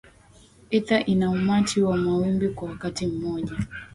ether ina umati wa mawimbi kwa wakati mmoja